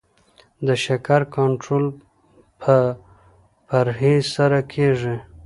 د شکر کنټرول په پرهیز سره کیږي.